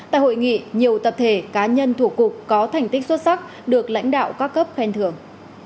tại hội nghị nhiều tập thể cá nhân thủ cục có thành tích xuất sắc được lãnh đạo các cấp khen thưởng